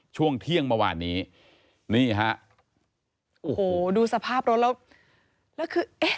ช่วงเที่ยงเมื่อวานนี้นี่ฮะโอ้โหดูสภาพรถแล้วแล้วคือเอ๊ะ